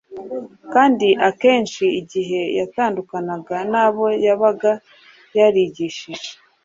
Kandi akenshi igihe yatandukanaga n’abo yabaga yarigishije